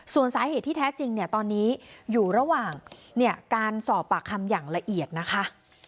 ส่วนสาเหตุที่แท้จริงเนี่ยตอนนี้อยู่ระหว่างการสอบปากคำอย่างละเอียดนะคะ